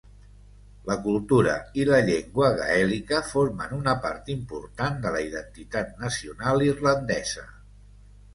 La cultura i la llengua gaèlica formen una part important de la identitat nacional irlandesa.